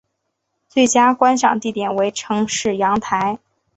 最佳观赏地点为城市阳台。